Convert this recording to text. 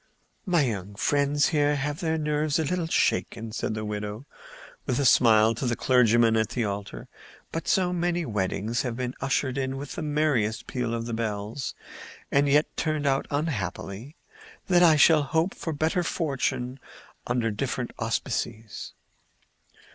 "My young friends here have their nerves a little shaken," said the widow, with a smile, to the clergyman at the altar. "But so many weddings have been ushered in with the merriest peal of the bells, and yet turned out unhappily, that I shall hope for better fortune under such different auspices."